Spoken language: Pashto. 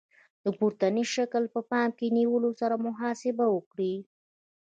د پورتني شکل په پام کې نیولو سره محاسبه وکړئ.